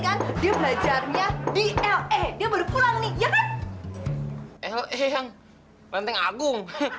kan dia belajarnya di l e dia baru pulang nih ya kan l e yang lanteng agung